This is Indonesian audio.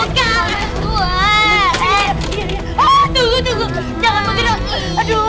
tunggu tunggu jangan bergerak